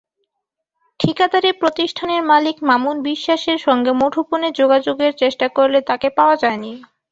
ঠিকাদারি প্রতিষ্ঠানের মালিক মামুন বিশ্বাসের সঙ্গে মুঠোফোনে যোগাযোগের চেষ্টা করলে তাঁকে পাওয়া যায়নি।